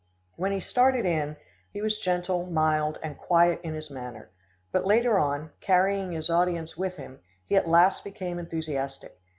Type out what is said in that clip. When he started in, he was gentle, mild and quiet in his manner; but later on, carrying his audience with him, he at last became enthusiastic.